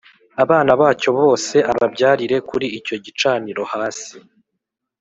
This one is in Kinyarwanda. abana bacyo bose ababyarire kuri icyo gicaniro hasi